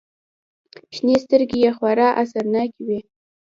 شنې سترگې يې خورا اثرناکې وې.